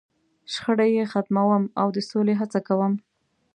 .شخړې یې ختموم، او د سولې هڅه کوم.